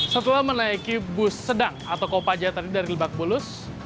setelah menaiki bus sedang atau kopaja tadi dari lebak bulus